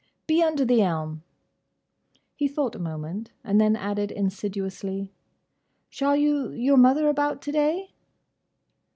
"Be under the elm." He thought a moment, and then added insidiously, "Shall you your mother about to day?"